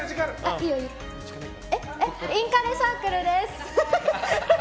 インカレサークルです！